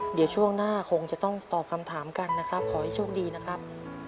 เดี๋ยวช่วงหน้าคงจะต้องตอบคำถามกันนะครับขอให้โชคดีนะครับ